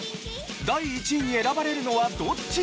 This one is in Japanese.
第１位に選ばれるのはどっちなのか？